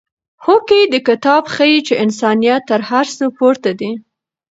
هوکې دا کتاب ښيي چې انسانیت تر هر څه پورته دی.